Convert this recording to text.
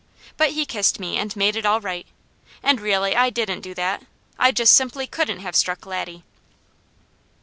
But he kissed me and made it all right, and really I didn't do that; I just simply couldn't have struck Laddie.